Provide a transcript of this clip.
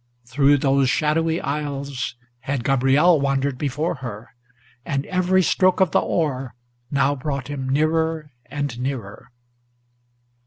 Through those shadowy aisles had Gabriel wandered before her, And every stroke of the oar now brought him nearer and nearer.